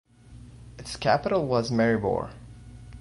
Its capital was Maribor.